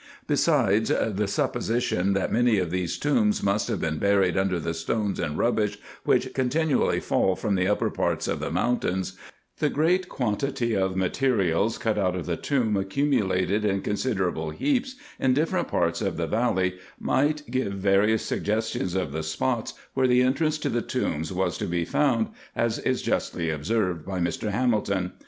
Besides, the supposition that many of these tombs must have been buried under the stones and rubbish, which continually fall from the upper parts of the mountains, the great quantity of ma terials cut out of the tomb accumulated in considerable heaps in dif ferent parts of the valley, might give various suggestions of the spots where the entrance to the tombs was to be found, as is justly ob served by Mr. Hamilton.